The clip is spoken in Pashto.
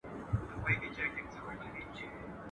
د کمبلي پر يوه سر غم وي، پر بل سر ئې ښادي.